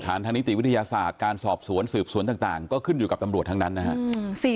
ทางนิติวิทยาศาสตร์การสอบสวนสืบสวนต่างก็ขึ้นอยู่กับตำรวจทั้งนั้นนะฮะ